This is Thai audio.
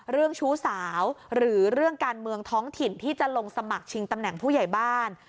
ชู้สาวหรือเรื่องการเมืองท้องถิ่นที่จะลงสมัครชิงตำแหน่งผู้ใหญ่บ้าน